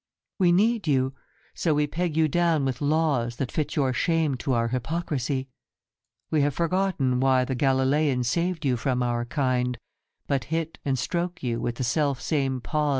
We need you, so we peg you down with laws That fit your shame to our hypocrisy. We have forgotten why The Galilean saved you from our kind, But hit and stroke you with the self same paws.